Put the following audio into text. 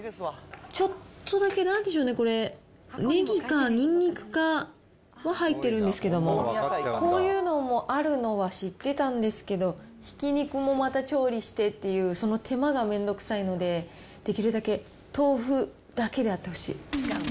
ちょっとだけ、なんでしょうね、これ、ねぎかにんにくかは入ってるんですけども、こういうのもあるのは知ってたんですけど、ひき肉もまた調理してっていう、その手間がめんどくさいので、できるだけ豆腐だけであってほしい。